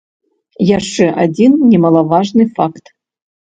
Яшчэ адзін немалаважны факт.